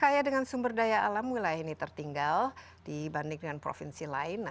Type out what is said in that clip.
jalan jalan tol